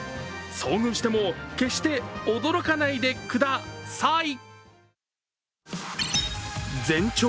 遭遇しても、決して驚かないでくだ「サイ」。